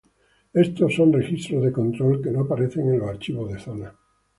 Estos son registros de control que no aparecen en los archivos de zona.